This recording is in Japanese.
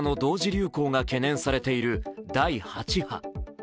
流行が懸念されている第８波。